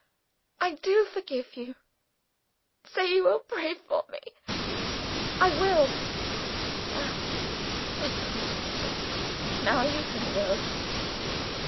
"I do forgive you." "Say you will pray for me." "I will." "Ah! that comforts me! Now you can go."